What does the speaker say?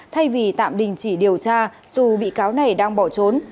thay vì tạm đình chỉ điều tra dù bị cáo này đang bỏ trốn